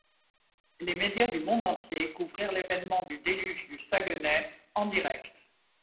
Les médias du monde entier couvrirent l’événement du déluge du Saguenay en direct.